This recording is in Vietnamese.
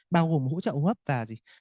bao gồm hỗ trợ hút hấp và